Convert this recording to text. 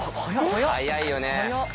速いよね。